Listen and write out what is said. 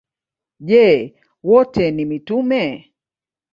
Je, wote ni mitume?